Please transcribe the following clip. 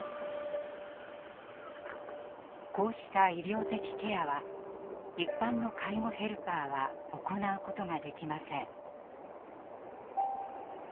こうした「医療的ケア」は一般の介護ヘルパーは行うことができません。